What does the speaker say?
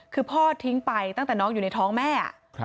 คือพ่อทิ้งไปตั้งแต่น้องอยู่ในท้องแม่